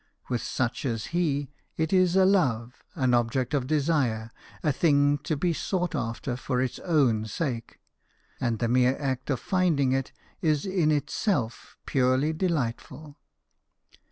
With such as he, it is a love, an object of desire, a thing to be sought after for its own sake ; and the mere act of finding it is in itself purely delightful.